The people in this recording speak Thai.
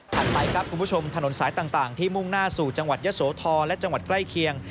ไปครับคุณผู้ชมถนนสายต่างที่มุ่งหน้าสู่จังหวัดยะโสธรและจังหวัดใกล้เคียง